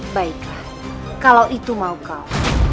baiklah kalau itu mau kau